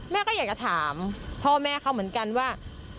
แม่ก็อยากจะถามพ่อแม่เขาเหมือนกันว่า